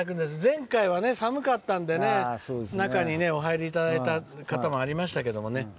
前回は、寒かったんで中にお入りいただいた方もありましたけどね。